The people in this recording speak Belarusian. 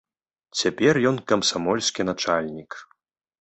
Цяпер ён камсамольскі начальнік.